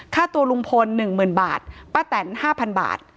ค่าตัวลุงพล๑๐๐๐บาทป้าแตน๕๐๐บาท